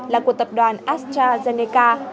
là của tập đoàn astrazeneca